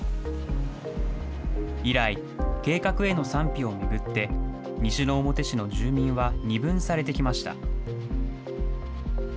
以来、計画への賛否を巡って、西之表市の住民は二分されてきました。